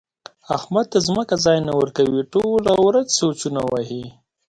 احمد ته ځمکه ځای نه ورکوي؛ ټوله ورځ سوچونه وهي.